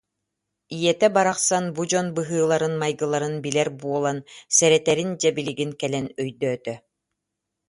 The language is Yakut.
Ийэтэ барахсан бу дьон быһыыларын-майгыларын билэр буолан, сэрэтэрин дьэ билигин кэлэн өйдөөтө